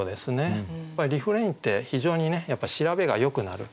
やっぱりリフレインって非常にねやっぱ調べがよくなる。